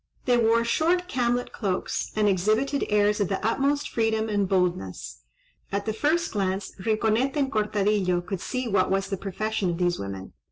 They wore short camlet cloaks, and exhibited airs of the utmost freedom and boldness. At the first glance Rinconete and Cortadillo could see what was the profession of these women.